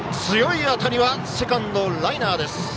強い当たりはセカンドライナーです。